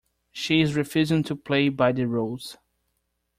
She is refusing to play by the rules.